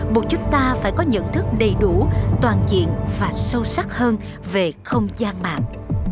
buộc chúng ta phải có nhận thức đầy đủ toàn diện và sâu sắc hơn về không gian mạng